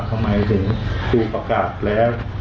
ทำไมถึงครูกลับแล้ว